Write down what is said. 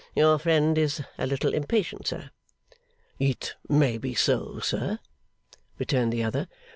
Your friend is a little impatient, sir.' 'It may be so, sir,' returned the other.